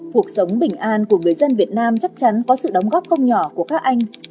cuộc sống bình an của người dân việt nam chắc chắn có sự đóng góp không nhỏ của các anh